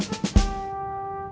mau pak kantip